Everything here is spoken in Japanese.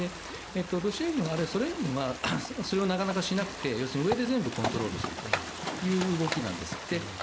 ロシア軍あるいはソ連軍はそれをなかなかしなくて上で全部コントロールするという動きなんです。